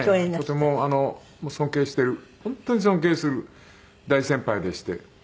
とても尊敬している本当に尊敬する大先輩でして。